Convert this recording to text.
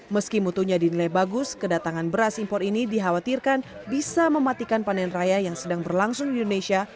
meski mutunya dinilai bagus kedatangan beras impor ini dikhawatirkan bisa mematikan panen raya yang sedang berlangsung di indonesia